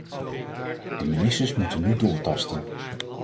De ministers moeten nu doortasten.